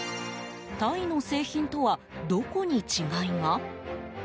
タイの製品とはどこに違いが？